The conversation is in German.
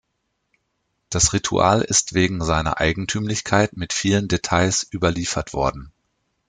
Das Ritual ist wegen seiner Eigentümlichkeit mit vielen Details überliefert worden.